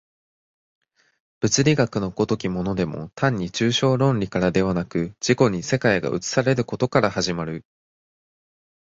物理学の如きものでも単に抽象論理からではなく、自己に世界が映されることから始まる。